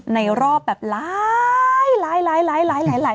ในรอบแบบหลาย